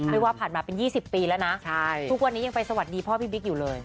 เรียกว่าผ่านมาเป็น๒๐ปีแล้วนะทุกวันนี้ยังไปสวัสดีพ่อพี่บิ๊กอยู่เลย